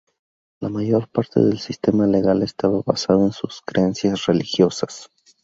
La mayor parte del sistema legal estaba basado en sus creencias religiosas.